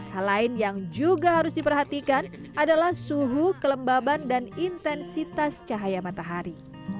hal lain yang juga harus diperhatikan adalah suhu kelembaban dan intensitas cahaya matahari